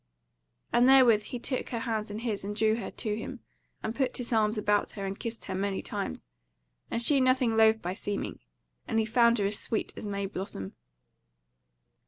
And therewith he took her hands in his and drew her to him, and put his arms about her and kissed her many times, and she nothing lothe by seeming; and he found her as sweet as May blossom.